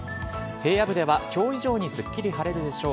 平野部ではきょう以上にすっきり晴れるでしょう。